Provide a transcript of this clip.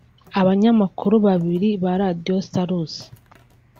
Abanyamakuru babiri ba Radiyo Salus